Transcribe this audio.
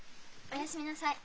おやすみなさい。